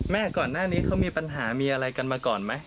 ก่อนหน้านี้เขามีปัญหามีอะไรกันมาก่อนไหม